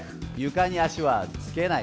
床に足はつけない。